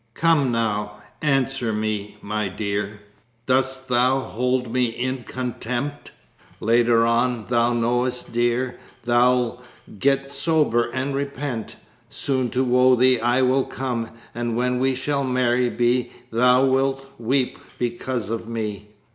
Come now, answer me, my dear, Dost thou hold me in contempt? Later on, thou knowest, dear, Thou'lt get sober and repent. Soon to woo thee I will come, And when we shall married be Thou wilt weep because of me!"